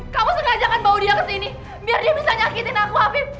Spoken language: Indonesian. kamu sengajakan bawa dia kesini biar dia bisa nyakitin aku hapim